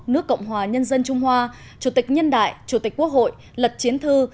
nước cộng hòa nhân dân trung hoa chủ tịch nhân đại chủ tịch quốc hội lật chiến thư